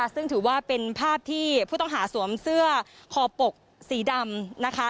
ซึ่งถือว่าเป็นภาพที่ผู้ต้องหาสวมเสื้อคอปกสีดำนะคะ